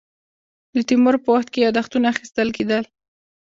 د تیمور په وخت کې یاداښتونه اخیستل کېدل.